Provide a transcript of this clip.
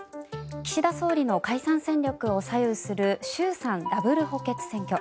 岸田総理の解散戦略を左右する衆参ダブル補欠選挙。